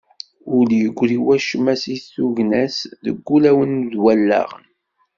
Ur d-yegri wacemma seg tugna-s deg wulawen d wallaɣen.